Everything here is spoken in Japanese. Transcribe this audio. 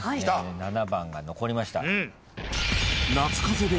７番が残りました。